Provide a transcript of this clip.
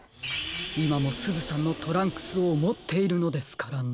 いまもすずさんのトランクスをもっているのですからね。